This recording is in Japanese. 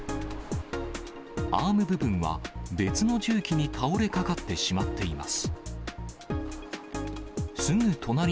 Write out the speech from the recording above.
アーム部分は、別の重機に倒れかかってしまっています。